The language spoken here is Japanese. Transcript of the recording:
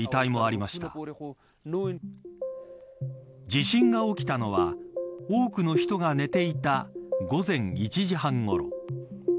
地震が起きたのは多くの人が寝ていた午前１時半ごろ。